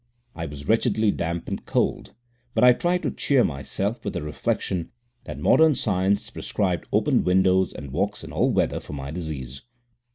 I was wretchedly damp and cold, but I tried to cheer myself with the reflection that modern science prescribed open windows and walks in all weather for my disease.